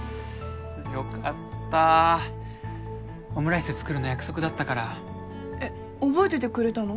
よかったオムライス作るの約束だったからえっ覚えててくれたの？